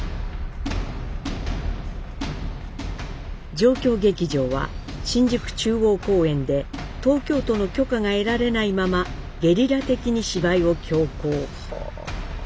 状況劇場は新宿中央公園で東京都の許可が得られないままゲリラ的に芝居を強行。